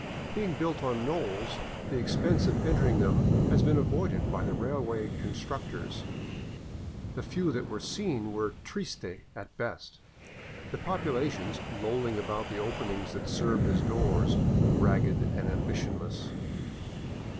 Being built on knolls, the expense of entering them has been avoided by the railway constructors. The few that were seen were triste at best, the populations, lolling about the openings that serve as doors, ragged and ambitionless.